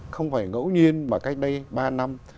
không phải ngẫu nhiên mà cách đây ba năm